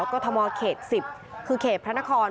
กรทมเขต๑๐คือเขตพระนคร